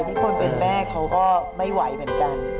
ที่คนเป็นแม่เขาก็ไม่ไหวเหมือนกัน